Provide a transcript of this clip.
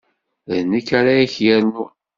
D nekk ara k-yernun.